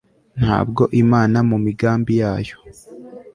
ntabwo imana mu migambi yayo